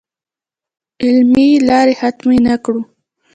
علمي لارو ختمې نه کړو.